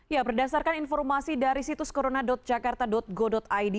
ya berdasarkan informasi dari situs corona jakarta go id